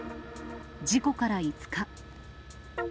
事故から５日。